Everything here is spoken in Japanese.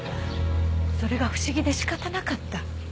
それが不思議で仕方なかった。